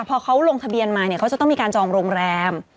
พอเขาลงทะเบียนมาเนี่ยเขาจะต้องมีการจองโรงแรม